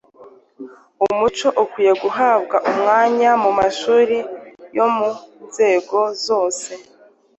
Umuco ukwiye guhabwa umwanya mu mashuli yo mu nzego zose,